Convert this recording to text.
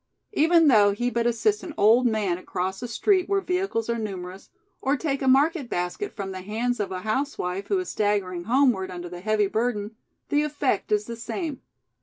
Even though he but assist an old man across a street where vehicles are numerous; or take a market basket from the hands of a housewife, who is staggering homeward under the heavy burden, the effect is the same.